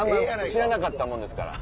知らなかったもんですから。